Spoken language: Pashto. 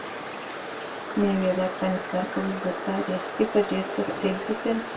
مېوې د افغانستان په اوږده تاریخ کې په ډېر تفصیل ذکر شوي.